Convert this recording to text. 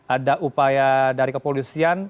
ada upaya dari kepolisian